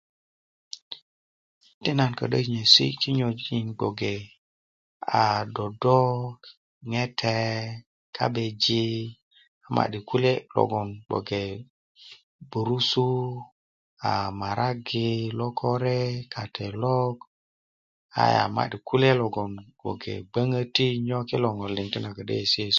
ti nan kodo nyesi kiyönji gboke a dodo ŋete kabeji ma'di kulye loŋ gboke burusut a marage lokore katelok sya ama'di kule' logon gbeti gboŋoti wole ti nan kodo nyesi nyesu